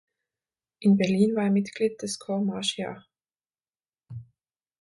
In Berlin war er Mitglied des Corps Marchia.